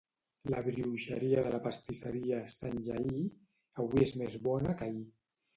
La brioxeria de la pastisseria Sant Llehí, avui és més bona que ahir